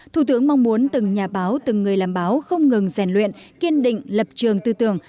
thủ tướng mong muốn từng nhà báo từng người làm báo không ngừng rèn luyện kiên định lập trường tư tưởng